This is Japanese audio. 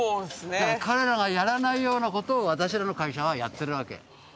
だから彼らがやらないようなことを私らの会社はやってるわけ。